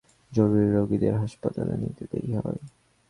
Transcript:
জরুরি রোগীদের হাসপাতালে নিতে দেরি হয়।